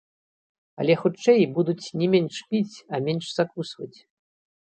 Але, хутчэй, будуць не менш піць, а менш закусваць.